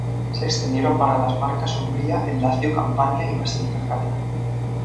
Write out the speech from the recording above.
Se extendieron para las Marcas, Umbría, el Lacio, Campania y Basilicata.